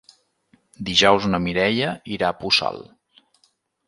Dijous na Mireia irà a Puçol.